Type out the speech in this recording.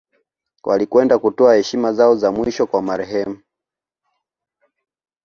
Walikwenda kutoa heshima zao za mwisho kwa marehemu